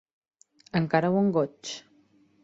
Encara bon goig!